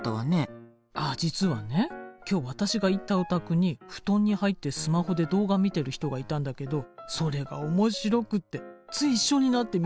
あっ実はね今日私が行ったお宅に布団に入ってスマホで動画見てる人がいたんだけどそれが面白くてつい一緒になって見ちゃって。